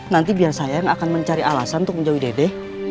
nanti biar sayang akan mencari alasan untuk menjauh dede